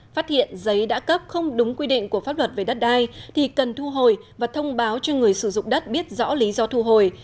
phát hiện giấy đã cấp không đúng quy định của pháp luật về đất đai thì cần thu hồi và thông báo cho người sử dụng đất biết rõ lý do thu hồi